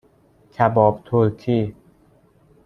کباب ترکی